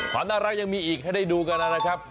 ความน่ารักยังมีอีกให้ได้ดูกันนะครับ